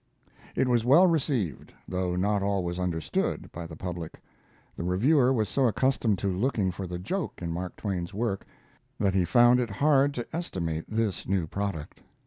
It was well received, though not always understood by the public. The reviewer was so accustomed to looking for the joke in Mark Twain's work, that he found it hard to estimate this new product.